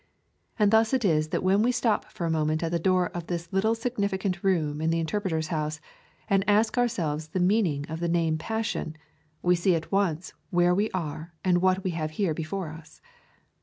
And thus it is that when we stop for a moment at the door of this little significant room in the Interpreter's House and ask ourselves the meaning of the name Passion, we see at once where we are and what we have here before us.